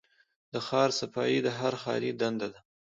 د ښار صفايي د هر ښاري دنده ده.